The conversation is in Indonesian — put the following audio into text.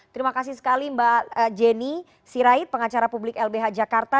terima kasih sekali mbak jenny sirait pengacara publik lbh jakarta